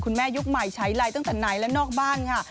ยุคใหม่ใช้ไลน์ตั้งแต่ไหนและนอกบ้านค่ะ